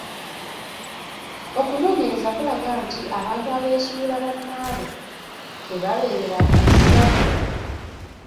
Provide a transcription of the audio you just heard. Okunoonyereza kulaga nti abantu abeesuula bannaabwe tebabeera n'assanyu.